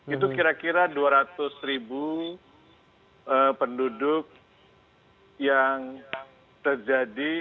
itu kira kira dua ratus ribu penduduk yang terjadi